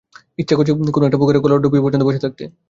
ইচ্ছা করছে কোনো একটা পুকুরে গলা পর্যন্ত ডুবিয়ে বসে থাকতে।